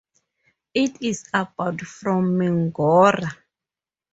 It is about from Mingora.